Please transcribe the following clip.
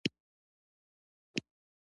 دا د ختیځې تراړې په اوږدو کې دي